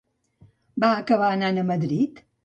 Va acabar anant a Madrid?